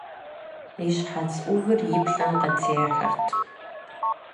И щхьэц ӏувыр и плӏэм къытехьэрт.